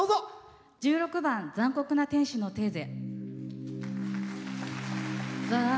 １６番「残酷な天使のテーゼ」。